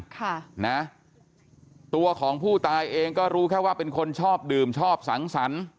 ค่ะนะตัวของผู้ตายเองก็รู้แค่ว่าเป็นคนชอบดื่มชอบสังสรรค์